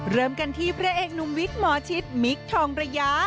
เริ่มกันที่พระเอกหนุ่มวิกหมอชิตมิคทองระยะ